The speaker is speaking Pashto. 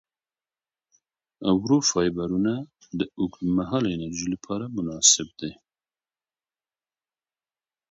ورو فایبرونه د اوږدمهاله انرژۍ لپاره مناسب دي.